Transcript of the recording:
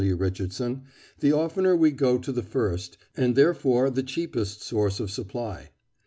W. Richardson, "the oftener we go to the first, and therefore the cheapest source of supply."